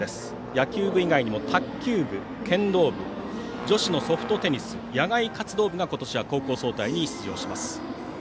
野球部以外にも卓球部、剣道部女子のソフトテニス野外活動部が今年は高校総体に出場します。